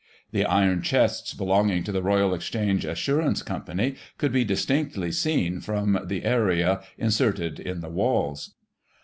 The iron chests belonging to the Royal Exchange Assurance Ccwnpany could be distinctly seen, from the area, inserted in the walls.